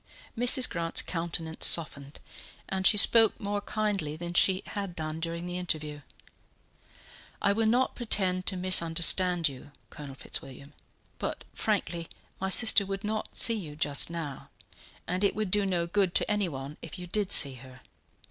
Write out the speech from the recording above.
Mrs. Grant's countenance softened, and she spoke more kindly than she had done during the interview. "I will not pretend to misunderstand you, Colonel Fitzwilliam; but, frankly, my sister would not see you just now, and it would do no good to anyone if you did see her.